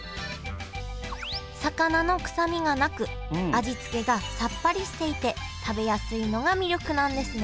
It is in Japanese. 魚の臭みがなく味付けがさっぱりしていて食べやすいのが魅力なんですね